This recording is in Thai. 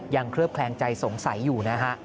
เคลือบแคลงใจสงสัยอยู่นะฮะ